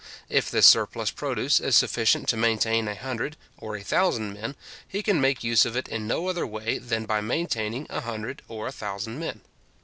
If this surplus produce is sufficient to maintain a hundred or a thousand men, he can make use of it in no other way than by maintaining a hundred or a thousand men.